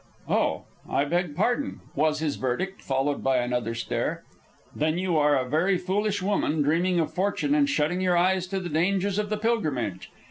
"Oh! I beg pardon," was his verdict, followed by another stare. "Then you are a very foolish woman dreaming of fortune and shutting your eyes to the dangers of the pilgrimage.